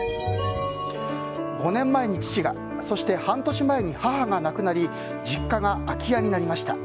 ５年前に父がそして半年前に母が亡くなり実家が空き家になりました。